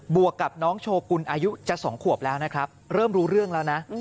วกกับน้องโชกุลอายุจะ๒ขวบแล้วนะครับเริ่มรู้เรื่องแล้วนะ